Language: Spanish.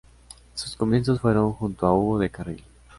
Sus comienzos fueron junto a Hugo del Carril.